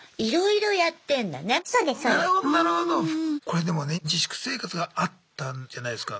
これでもね自粛生活があったじゃないですか。